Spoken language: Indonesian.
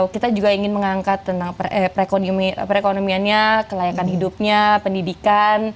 kita juga ingin mengangkat tentang perekonomiannya kelayakan hidupnya pendidikan